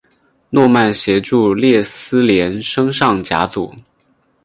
诺曼协助列斯联升上甲组。